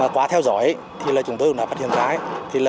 qua theo dõi thì chúng tôi cũng đã phát hiện ra